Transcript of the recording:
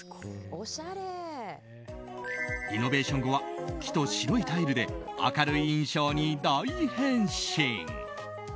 リノベーション後は木と白いタイルで明るい印象に大変身！